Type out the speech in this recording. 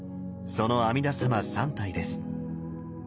その阿弥陀様３体です。